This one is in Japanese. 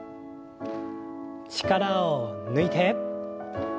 力を抜いて。